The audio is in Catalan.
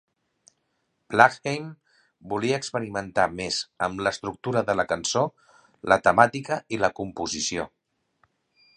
Blakkheim volia experimentar més amb l'estructura de la cançó, la temàtica i la composició.